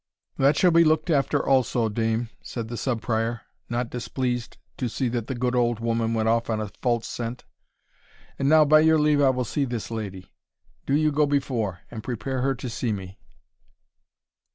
"That shall be looked after also, dame," said the Sub Prior, not displeased to see that the good old woman went off on a false scent; "and now, by your leave, I will see this lady do you go before, and prepare her to see me."